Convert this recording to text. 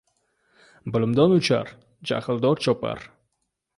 • Bilimdon uchar, johil chopar.